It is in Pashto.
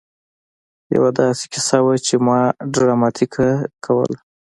يوه داسې کيسه وه چې ما ډراماتيکه کوله.